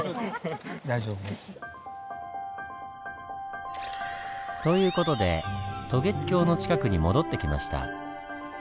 大丈夫です。という事で渡月橋の近くに戻ってきました。